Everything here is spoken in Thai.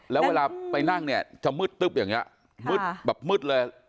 แล้วเวลาไปนั่งเนี่ยจะมืดตึ๊บอย่างนี้มืดแบบมืดเลย